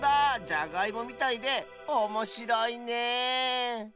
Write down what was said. じゃがいもみたいでおもしろいね